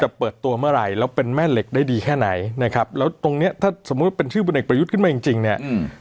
เปิดตัวเมื่อไหร่แล้วเป็นแม่เหล็กได้ดีแค่ไหนนะครับแล้วตรงเนี้ยถ้าสมมุติว่าเป็นชื่อบนเอกประยุทธ์ขึ้นมาจริงจริงเนี่ยอืม